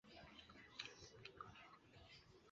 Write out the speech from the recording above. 同知南院枢密使事。